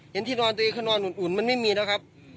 เห็นที่นอนตัวเองก็นอนอุ่นอุ่นมันไม่มีแล้วครับ